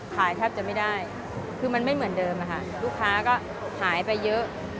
แทบจะไม่ได้คือมันไม่เหมือนเดิมค่ะลูกค้าก็หายไปเยอะ